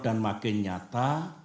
dan makin nyata